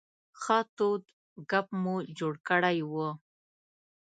ښه تود ګپ مو جوړ کړی و.